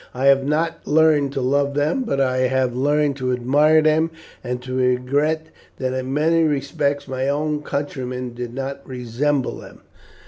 I have not learned to love them, but I have learned to admire them and to regret that in many respects my own countrymen did not resemble them."